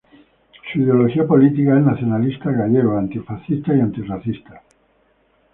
Su ideología política es nacionalistas gallegos, antifascistas y antirracista.